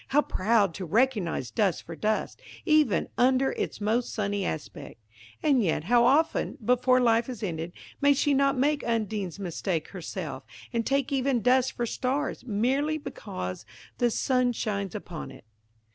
how proud to recognise dust for dust, even under its most sunny aspect! And yet how often, before life is ended, may she not make Undine's mistake herself, and take even dust for stars, merely because the sun shines upon it!"